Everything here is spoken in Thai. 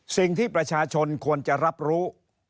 สิ่งที่ประชาชนควรจะรับรู้